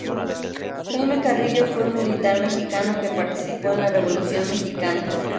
Jaime Carrillo fue un militar mexicano que participó en la Revolución mexicana.